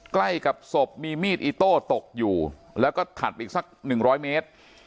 ใกล้กับศพมีมีดอิโต้ตกอยู่แล้วก็ถัดไปอีกสัก๑๐๐เมตร